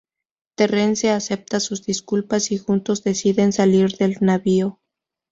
Terrence acepta sus disculpas y juntos deciden salir del navío.